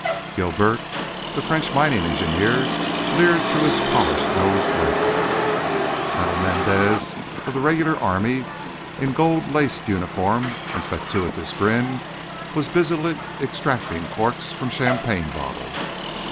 Guilbert, the French mining engineer, leered through his polished nose glasses. Colonel Mendez, of the regular army, in gold laced uniform and fatuous grin, was busily extracting corks from champagne bottles.